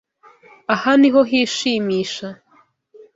Aha niho hishimisha.